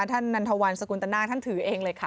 ท่านนันทะวัลสกุลตระน้าท่านถือเองเลยค่ะ